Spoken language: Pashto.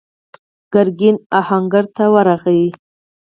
ګرګين آهنګر ته ورغی.